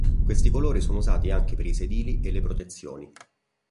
Questi colori sono usati anche per i sedili e le protezioni.